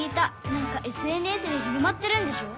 なんかＳＮＳで広まってるんでしょ？